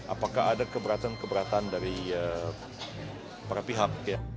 apakah ada keberatan keberatan dari para pihak